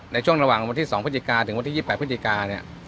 ในช่วงระหว่างวันที่สองพฤติกาถึงวันที่ยี่แปดพฤติกาเนี้ย